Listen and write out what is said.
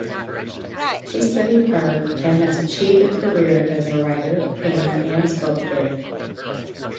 She studied art and has achieved a career as a writer, painter and sculptor.